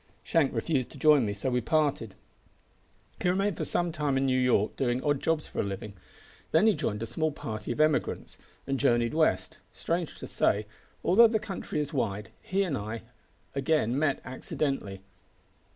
"Shank refused to join me, so we parted. He remained for some time in New York doing odd jobs for a living. Then he joined a small party of emigrants, and journeyed west. Strange to say, although the country is wide, he and I again met accidentally.